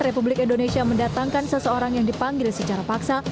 republik indonesia mendatangkan seseorang yang dipanggil secara paksa